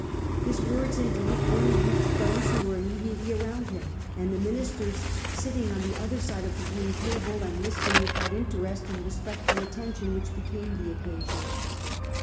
His words indeed only reached those who were im mediately around him, and the Ministers sitting on the other side of the green table, and listening with that interest and respectful attention which became the occasion.